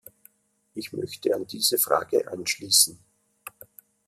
Ich möchte an diese Frage anschließen.